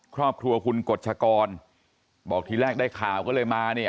ครอบครัวคุณกฎชกรบอกทีแรกได้ข่าวก็เลยมาเนี่ย